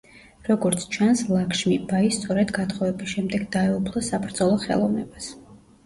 როგორც ჩანს, ლაქშმი ბაი სწორედ გათხოვების შემდეგ დაეუფლა საბრძოლო ხელოვნებას.